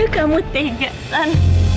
kamu tegas san